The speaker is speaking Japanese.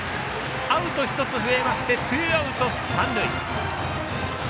アウト１つ増えましてツーアウト、三塁。